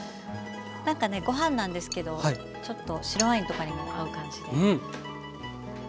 なんかねご飯なんですけどちょっと白ワインとかにも合う感じで。